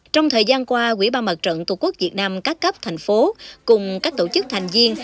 trong thời gian qua quỹ ban mặt trận tổ quốc việt nam các cấp thành phố cùng các tổ chức thành viên